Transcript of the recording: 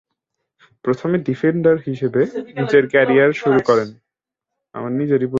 প্রথমে ডিফেন্ডার হিসেবে নিজের ক্যারিয়ার শুরু করেন।